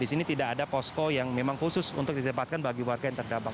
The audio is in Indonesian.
di sini tidak ada posko yang memang khusus untuk ditempatkan bagi warga yang terdampak